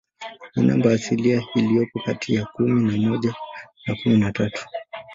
Ni namba asilia iliyopo kati ya kumi na moja na kumi na tatu.